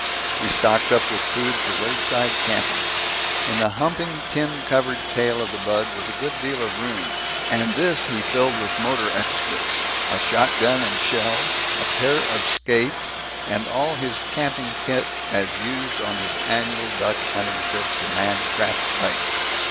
He stocked up with food for roadside camping. In the humping tin covered tail of the bug was a good deal of room, and this he filled with motor extras, a shotgun and shells, a pair of skates, and all his camping kit as used on his annual duck hunting trip to Man Trap Lake.